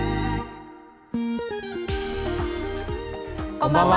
こんばんは。